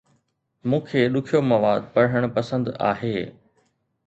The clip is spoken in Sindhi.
مون کي ڏکيو مواد پڙهڻ پسند آهي